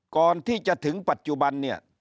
ก่อนที่จะถึงปัจจุบันเนี่ย